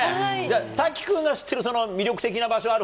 滝君が知ってる魅力的な場所ある？